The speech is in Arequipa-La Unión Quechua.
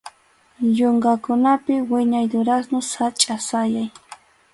Yunkakunapi wiñaq durazno sachʼa sayay.